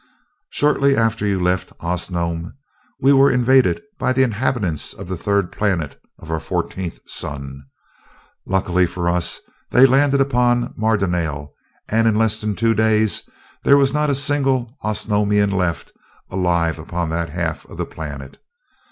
"Shortly after you left Osnome we were invaded by the inhabitants of the third planet of our fourteenth sun. Luckily for us they landed upon Mardonale, and in less than two days there was not a single Osnomian left alive upon that half of the planet.